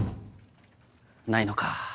ないのか。